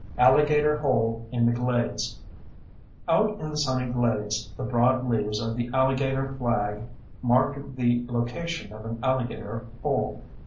Alligator Hole in the Glades Out in the sunny glades the broad leaves of the alligator flag mark the location of an alligator hole.